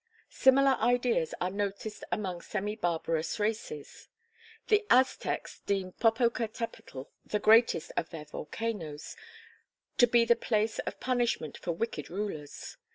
Similar ideas are noticed among semi barbarous races. The Aztecs deemed Popocatepetl, the greatest of their volcanoes, to be the place of punishment for wicked rulers.